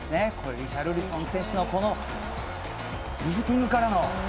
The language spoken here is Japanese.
リシャルリソン選手のリフティングからの。